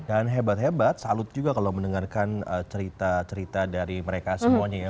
dan hebat hebat salut juga kalau mendengarkan cerita cerita dari mereka semuanya ya